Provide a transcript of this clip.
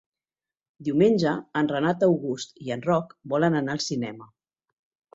Diumenge en Renat August i en Roc volen anar al cinema.